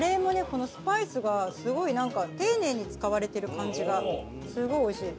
このスパイスがすごいなんか丁寧に使われてる感じがすごいおいしい。